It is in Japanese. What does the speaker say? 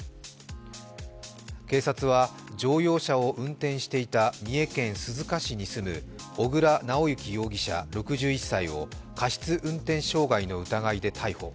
警察は乗用車を運転していた三重県鈴鹿市に住む小椋直行容疑者６１歳を過失運転傷害の疑いで逮捕。